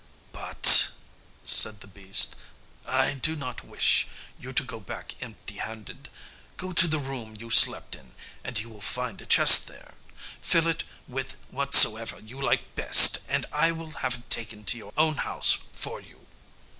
"But," said the beast, "I do not wish you to go back empty handed. Go to the room you slept in, and you will find a chest there; fill it with whatsoever you like best, and I will have it taken to your own house for you."